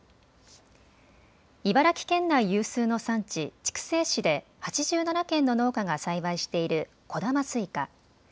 茨城県内有数の産地、筑西市で８７軒の農家が栽培しているこだますいか。